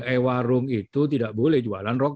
eh warung itu tidak boleh jualan